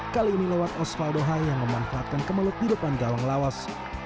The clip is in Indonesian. kali ini lewat osvaldo hai yang memanfaatkan kemelut di depan gawang laos